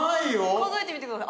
数えてみてください。